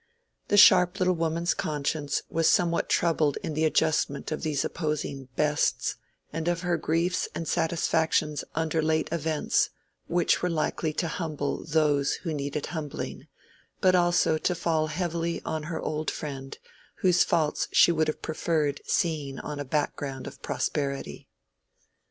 The sharp little woman's conscience was somewhat troubled in the adjustment of these opposing "bests," and of her griefs and satisfactions under late events, which were likely to humble those who needed humbling, but also to fall heavily on her old friend whose faults she would have preferred seeing on a background of prosperity.